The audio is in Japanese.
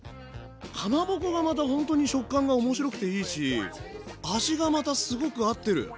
かまぼこがまたほんとに食感が面白くていいし味がまたすごく合ってる。